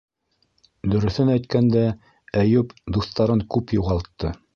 Дөрөҫөн әйткәндә, Әйүп дуҫтарын күп юғалтты.